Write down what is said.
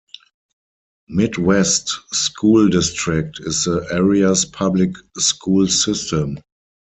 Midd-West School District is the area's public school system.